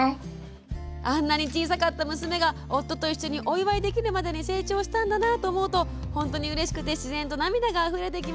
「あんなに小さかった娘が夫と一緒にお祝いできるまでに成長したんだなぁと思うと本当にうれしくて自然と涙があふれてきました。